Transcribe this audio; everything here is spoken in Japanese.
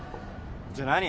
じゃあ何？